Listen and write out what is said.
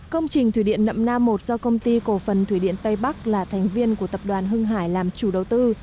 công trình thủy điện nậm nam một do công ty cổ phần thủy điện tây bắc là thành viên của tập đoàn hưng hải làm chủ đầu tư